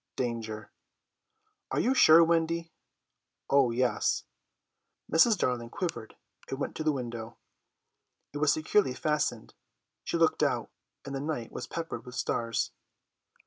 Danger! "Are you sure, Wendy?" "Oh, yes." Mrs. Darling quivered and went to the window. It was securely fastened. She looked out, and the night was peppered with stars.